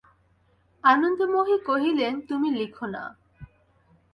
আনন্দময়ী কহিলেন, তুমি লিখো না।